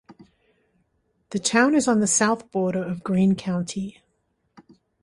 The town is on the south border of Greene County.